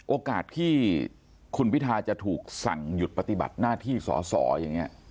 โอกาสที่คุณพิทาจะถูกสั่งหยุดปฏิบัติหน้าที่สอสออย่างนี้